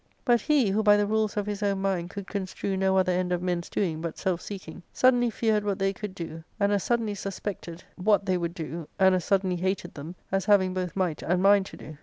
" But he, who by the rules of his own mind could construe no other end of men*s doing but self seeking, suddenly feared what they could do, and as suddenly suspected what they would do, and as suddenly hated them, as having both might and mind to do.